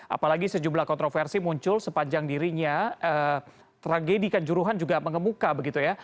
apalagi sejumlah kontroversi muncul sepanjang dirinya tragedi kanjuruhan juga mengemuka begitu ya